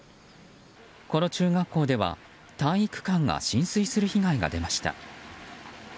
この中学校では体育館が浸水する被害が出ました。